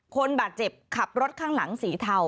คนบาดเจ็บขับรถข้างหลังสีเทา